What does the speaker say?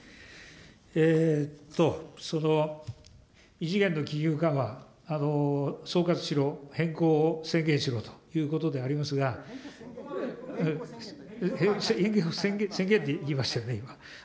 異次元の金融緩和、総括しろ、変更を宣言しろということでありますが、宣言って言いましたよね。